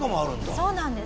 そうなんです。